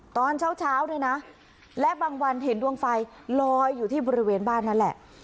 ตอนเช้าด้วยนะและบางวันเห็นดวงไฟลอยอยู่ที่บริเวณบ้านนั่นแหละ